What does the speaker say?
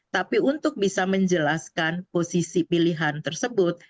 tapi untuk bisa menjelaskan posisi pilihan tersebut